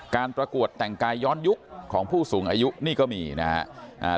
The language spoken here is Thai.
ประกวดแต่งกายย้อนยุคของผู้สูงอายุนี่ก็มีนะครับ